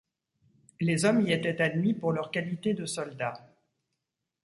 Les hommes y étaient admis pour leurs qualités de soldats.